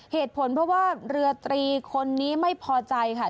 เหตุผลเพราะว่าเรือตรีคนนี้ไม่พอใจค่ะ